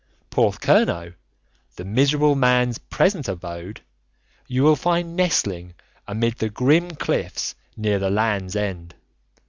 Porthcurnow, the miserable man's present abode, you will find nestling amid the grim cliffs near the Land's End.